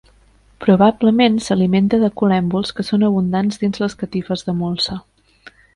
Probablement s'alimenta de col·lèmbols que són abundants dins les catifes de molsa.